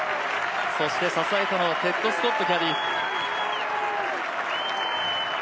そして支えたのはテッド・スコットキャディー。